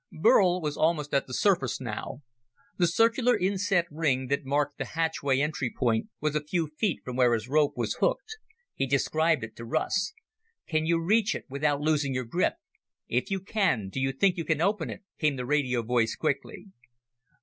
Burl was almost at the surface now. The circular inset ring that marked the hatchway entry port was a few feet from where his rope was hooked. He described it to Russ. "Can you reach it without losing your grip? If you can, do you think you can open it?" came the radio voice quickly.